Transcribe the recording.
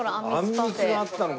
あんみつがあったのか。